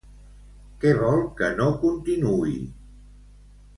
Què vol que no continuï?